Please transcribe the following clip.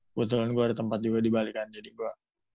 kebetulan gue ada tempat juga di bali kan jadi gue